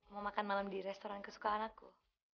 mau makan malam di restoran kesukaan aku